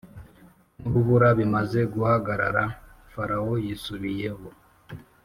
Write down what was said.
N urubura bimaze guhagarara farawo yisubiyeho